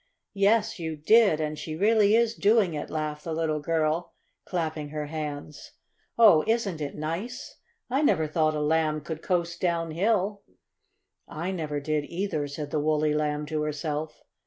"Yes, you did, and she really is doing it!" laughed the little girl, clapping her hands. "Oh, isn't it nice? I never thought a Lamb could coast downhill!" "I never did, either," said the woolly Lamb to herself.